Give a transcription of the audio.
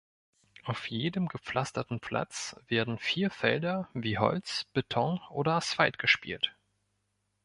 Auf jedem gepflasterten Platz werden vier Felder wie Holz, Beton oder Asphalt gespielt.